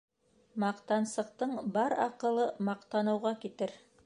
Маҡтансыҡтың бар аҡылы маҡтаныуға китер.